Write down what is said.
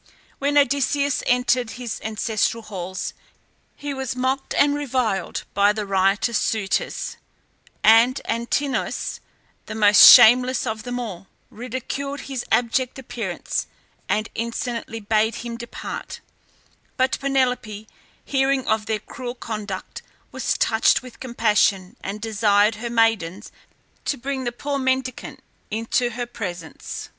When Odysseus entered his ancestral halls he was mocked and reviled by the riotous suitors, and Antinous, the most shameless of them all, ridiculed his abject appearance, and insolently bade him depart; but Penelope hearing of their cruel conduct, was touched with compassion, and desired her maidens to bring the poor mendicant into her presence.